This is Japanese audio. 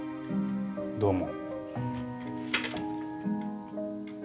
どうも。